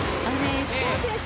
石川選手